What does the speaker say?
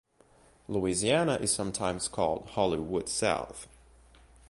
Louisiana is sometimes called "Hollywood South".